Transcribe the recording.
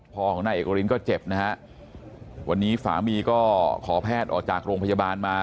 พ่อของนายเอกรินก็เจ็บนะฮะวันนี้สามีก็ขอแพทย์ออกจากโรงพยาบาลมา